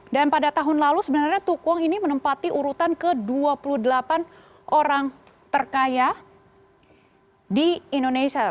dan pada tahun lalu sebenarnya tukwong ini menempati urutan ke dua puluh delapan orang terkaya di indonesia